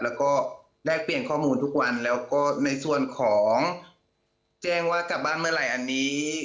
แล้วก็ได้เปลี่ยนข้อมูลทุกวันแล้วก็ในส่วนของแจ้งว่ากลับบ้านเมื่อไหร่อันนี้